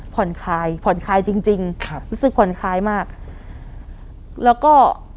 ผ่อนคลายผ่อนคลายจริงจริงครับรู้สึกผ่อนคลายมากแล้วก็